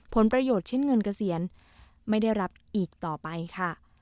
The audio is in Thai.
ผลประโยชน์เช่นเงินเกษียณไม่ได้รับอีกต่อไปค่ะ